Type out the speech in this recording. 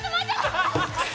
ハハハハ！